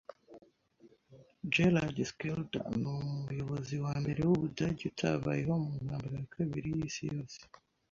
Gerhard Schroeder ni umuyobozi wa mbere w’Ubudage utabayeho mu Ntambara ya Kabiri y'Isi Yose.